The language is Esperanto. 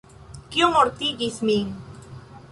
Kio mortigis min?